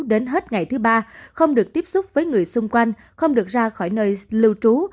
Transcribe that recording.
đến hết ngày thứ ba không được tiếp xúc với người xung quanh không được ra khỏi nơi lưu trú